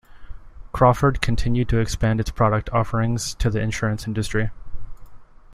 Crawford continued to expand its product offerings to the insurance industry.